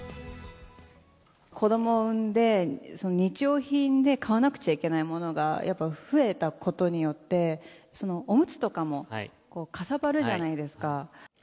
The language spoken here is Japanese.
子どもを産んで、日用品で買わなくちゃいけないものがやっぱ増えたことによって、おむつとかもかさばるじゃないですか。